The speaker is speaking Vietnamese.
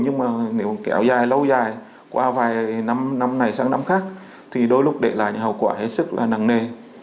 nhưng mà nếu kéo dài lâu dài qua vài năm này sang năm khác thì đôi lúc để lại hậu quả hết sức là năng nề